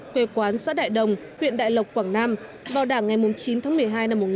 quê quán xã đại đồng huyện đại lộc quảng nam vào đảng ngày chín tháng một mươi hai năm một nghìn chín trăm bảy mươi